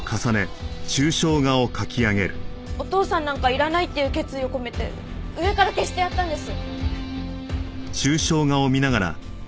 お父さんなんかいらないっていう決意を込めて上から消してやったんです。